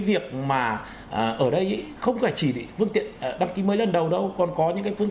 phương tiện mà ở đây không phải chỉ định phương tiện đăng ký mới lần đầu đâu còn có những cái phương